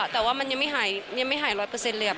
แต่ว่ามันยังไม่หาย๑๐๐เลย